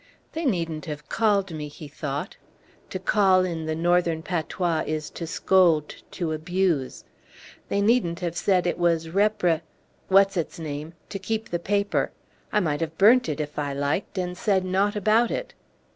"They need n't have called me," he thought (to call, in the Northern patois, is to scold, to abuse). "They need n't have said it was repri wat's its name? to keep the paper. I might have burnt it if I liked, and said naught about it."